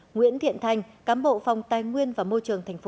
nguyễn thiện thành cám bộ phòng tài nguyên và môi trường tp